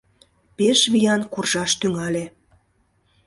Пеш виян куржаш тӱҥале.